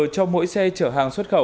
cho mỗi xe chở hàng xuất khẩu